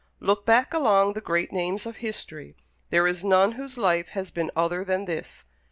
Look back along the great names of history; there is none whose life has been other than this.